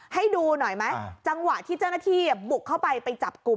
ให้ดูหน่อยไหมจังหวะที่เจ้าหน้าที่บุกเข้าไปไปจับกลุ่ม